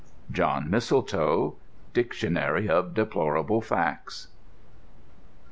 John Mistletoe: Dictionary of Deplorable Facts.